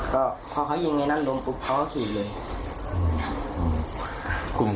ก็พอเขายิงไอ้นั่นลงปลุ๊บเพราะเขาขีดเลย